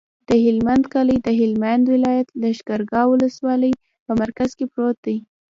د هلمند کلی د هلمند ولایت، لښکرګاه ولسوالي په مرکز کې پروت دی.